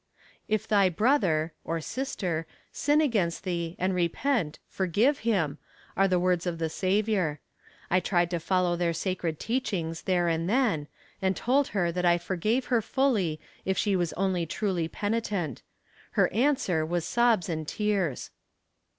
"If thy brother (or sister) sin against thee, and repent, forgive him," are the words of the Saviour. I tried to follow their sacred teachings there and then, and told her that I forgave her fully if she was only truly penitent. Her answer was sobs and tears.